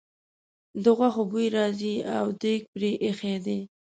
د غوښو بوی راځي او دېګ پرې ایښی دی.